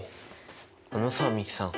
あのさ美樹さん